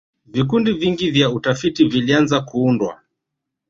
vikundi vingi vya utafiti vilianza kuundwa